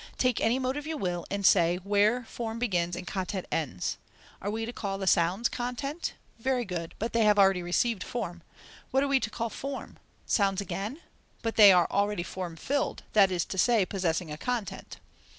"Take any motive you will, and say where form begins and content ends. Are we to call the sounds content? Very good, but they have already received form. What are we to call form? Sounds again? But they are already form filled, that is to say, possessing a content."